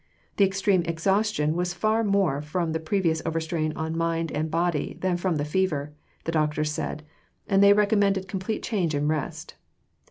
The extreme exhaustion was more from the previous overstrain on mind and body than from the fever, the doctors said, and they recommended complete change and rest.